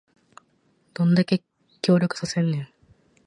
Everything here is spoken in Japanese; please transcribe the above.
どんだけ協力させんねん